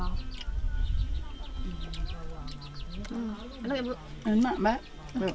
dan dibelah hijau disks